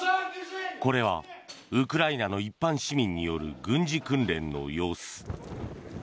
これはウクライナの一般市民による軍事訓練の様子。